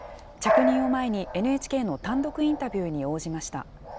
着任を前にＮＨＫの単独インタビューに応じました。